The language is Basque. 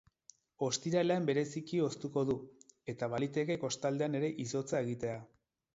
Ostiralean bereziki hoztuko du, eta baliteke kostaldean ere izotza egitea.